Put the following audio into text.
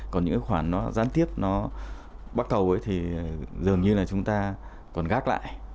còn những cái khoản nó gián tiếp nó bắt cầu ấy thì dường như là chúng ta còn gác lại